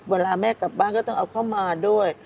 เวลาแม่กลับบ้านก็ต้องเอาเข้ามาด้วย